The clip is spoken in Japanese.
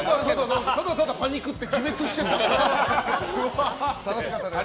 ただただパニクって自滅してただけでしょ。